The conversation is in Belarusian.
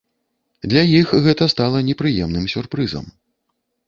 Для іх гэта стала непрыемным сюрпрызам.